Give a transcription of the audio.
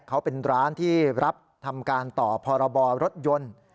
เขาเป็นร้านที่รับทำการต่อพรบรถยนต์